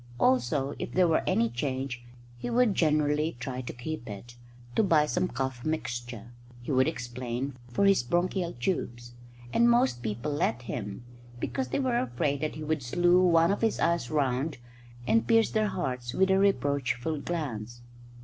Also, if there were any change he would generally try to keep it, to buy some cough mixture, he would explain, for his bronchial tubes; and most people let him, because they were afraid that he would slue one of his eyes round and pierce their hearts with a reproachful glance.